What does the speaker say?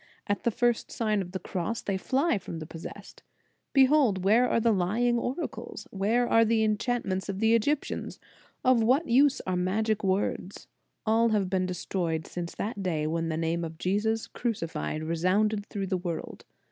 At the first Sign of the Cross, they fly from the possessed. Behold! where are the lying oracles ? Where the enchantments of the Egyptians? Of what use are magic words? All have been destroyed since that day when the name of Jesus Crucified re sounded through the world."